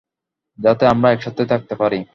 যাতে আমরা একসাথে থাকতে পারি।